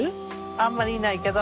あんまりいないけど。